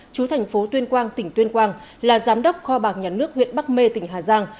chú thành phố tuyên quang tỉnh tuyên quang là giám đốc kho bạc nhà nước huyện bắc mê tỉnh hà giang